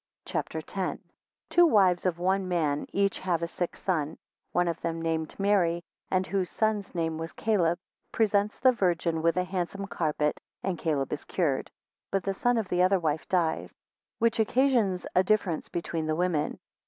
CHAPTER X. 1 Two wives of one man, each have a son sick. 2 One of them named Mary, and whose son's name was Caleb, presents the Virgin with a handsome carpet, and Caleb is cured; but the son of the other wife dies, 4 which occasions a difference between the women.